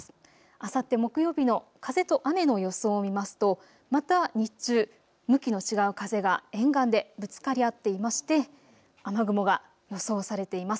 あさって木曜日の風と雨の予想を見ますとまた日中、向きの違う風が沿岸でぶつかり合っていまして、雨雲が予想されています。